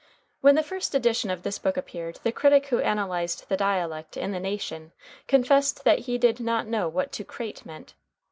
] [Footnote 20: When the first edition of this book appeared, the critic who analyzed the dialect in The Nation confessed that he did not know what to "crate" meant.